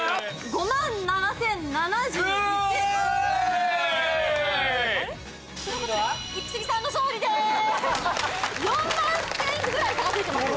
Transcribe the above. ５７０７１ウエーイ！ということでイキスギさんの勝利です４万点ぐらい差がついてますよ